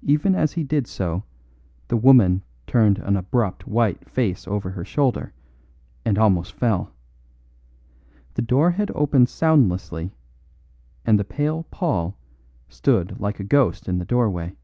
Even as he did so the woman turned an abrupt white face over her shoulder and almost fell. The door had opened soundlessly and the pale Paul stood like a ghost in the doorway.